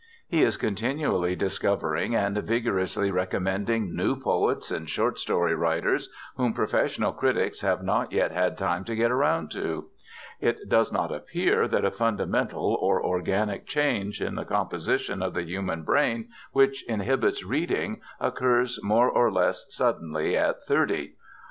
He is continually discovering and vigorously recommending new poets and short story writers whom professional critics have not yet had time to get around to. It does not appear that a fundamental or organic change in the composition of the human brain which inhibits reading occurs more or less suddenly at thirty.